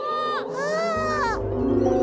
ああ。